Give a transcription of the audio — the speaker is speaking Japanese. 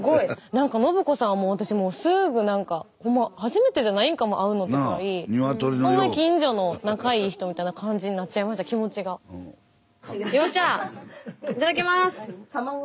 なんか信子さんもう私もうすぐなんか初めてじゃないんかも会うのってぐらいほんま近所の仲いい人みたいな感じになっちゃいました気持ちが。よっしゃ！